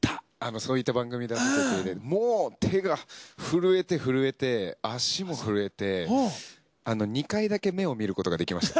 そういった番組もう手が震えて震えて足も震えて２回だけ目を見ることができました。